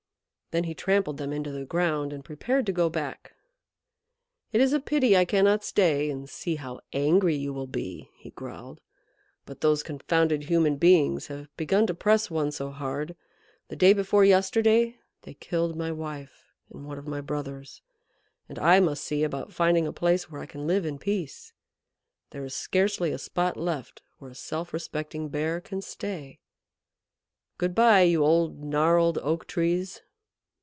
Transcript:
Then he trampled them into the ground and prepared to go back. "It is a pity I cannot stay and see how angry you will be," he growled, "but those confounded human beings have begun to press one so hard. The day before yesterday they killed my wife and one of my brothers, and I must see about finding a place where I can live in peace. There is scarcely a spot left where a self respecting Bear can stay. Goodbye, you old, gnarled Oak Trees!"